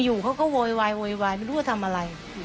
อยู่เขาก็โวยวายโวยวายไม่รู้ว่าทำอะไร